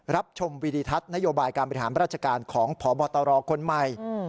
ชมวิดิทัศน์นโยบายการบริหารราชการของพบตรคนใหม่